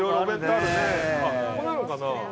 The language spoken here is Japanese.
あっここなのかな？